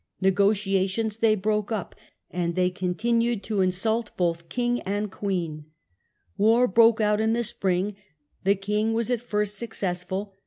Negotiations they broke up, and they con tinued to insult both king and queen. War London broke out in the spring. The king was at and the first successful.